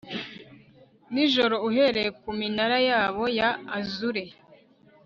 Nijoro uhereye kuminara yabo ya azure